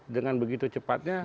dengan begitu cepatnya